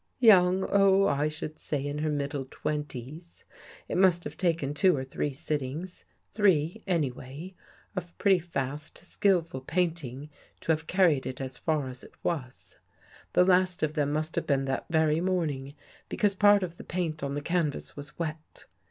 Young — oh, I should say in her middle twenties. It must have taken two or three sittings — three anyway — of pretty fast, skillful painting, to have carried it as far as it was. The last of them must have been that very morning, because part of the paint on the canvas was wet.